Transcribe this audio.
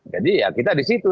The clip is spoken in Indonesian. ya kita di situ